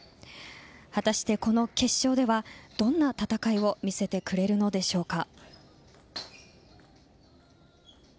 果たしてこの決勝ではどんな戦いを見せてくれるのでしょうか。